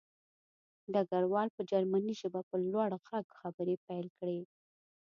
ډګروال په جرمني ژبه په لوړ غږ خبرې پیل کړې